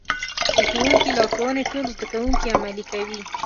د ښوونکي لارښوونې ټول زده کوونکي عملي کوي.